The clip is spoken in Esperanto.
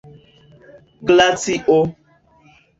glacio